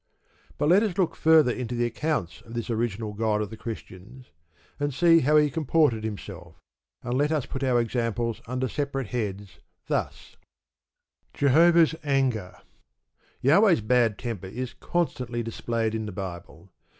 But let us look further into the accounts of this original God of the Christians, and see how he comported himself, and let us put our examples under separate heads; thus: Jehovah's Anger Jahweh's bad temper is constantly displayed in the Bible.